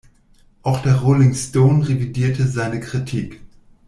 Auch der Rolling Stone revidierte seine Kritik.